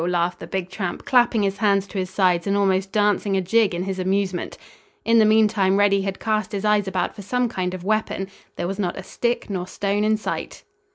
laughed the big tramp, clapping his hands to his sides and almost dancing a jig in his amusement. In the meantime Reddy had cast his eyes about for some kind of a weapon. There was not a stick nor stone in sight.